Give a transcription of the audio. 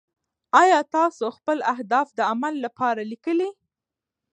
ایا تاسو خپل اهداف د عمل لپاره لیکلي؟